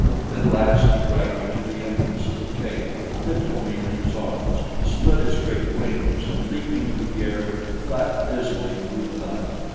At last he dragged me to the entrance of the cave, lifted me in his arms, spread his great wings and leaping into the air, flapped dismally through the night.